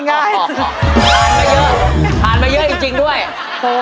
ผ่านมาเยอะผ่านมาเยอะจริงด้วย